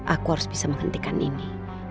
aku harus bisa menghentikan ini